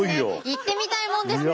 言ってみたいもんですね。